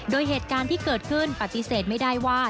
โดยเหตุการณ์ที่เกิดขึ้นปฏิเสธไม่ได้ว่า